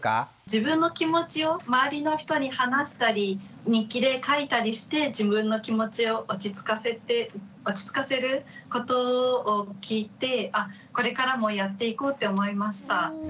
自分の気持ちを周りの人に話したり日記で書いたりして自分の気持ちを落ち着かせることを聞いてあっこれからもやっていこうって思いました。